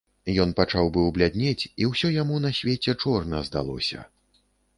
Ён пачаў быў бяднець, і ўсё яму на свеце чорна здалося.